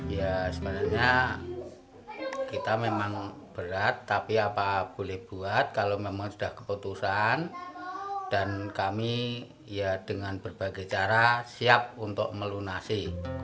ya sebenarnya kita memang berat tapi apa boleh buat kalau memang sudah keputusan dan kami ya dengan berbagai cara siap untuk melunasi